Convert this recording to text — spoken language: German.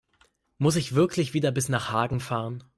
Muss ich wirklich wieder bis nach Hagen fahren?